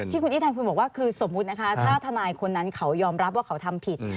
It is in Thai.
คุณอีทันคุณบอกว่าคือสมมุตินะคะถ้าทนายคนนั้นเขายอมรับว่าเขาทำผิด